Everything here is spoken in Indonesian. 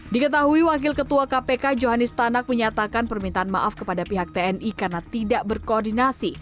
diketahui wakil ketua kpk johanis tanak menyatakan permintaan maaf kepada pihak tni karena tidak berkoordinasi